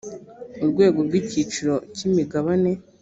urwego rw’icyiciro cy’imigabane